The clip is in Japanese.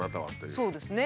そうですね。